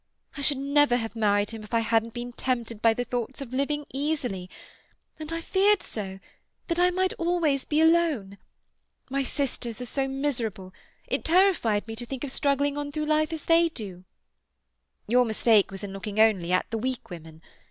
I should never have married him if I hadn't been tempted by the thoughts of living easily—and I feared so—that I might always be alone—My sisters are so miserable; it terrified me to think of struggling on through life as they do—" "Your mistake was in looking only at the weak women.